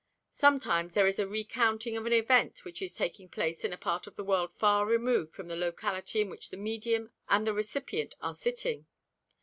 Sometimes there is a recounting of an event which is taking place in a part of the world far removed from the locality in which the medium and the recipient are sitting.